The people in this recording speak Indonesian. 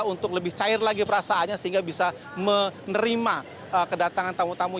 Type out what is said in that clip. untuk lebih cair lagi perasaannya sehingga bisa menerima kedatangan tamu tamu